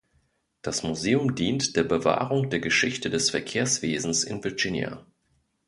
Das Museum dient der Bewahrung der Geschichte des Verkehrswesens in Virginia.